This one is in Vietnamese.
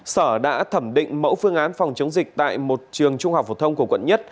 sở đã thẩm định mẫu phương án phòng chống dịch tại một trường trung học phổ thông của quận một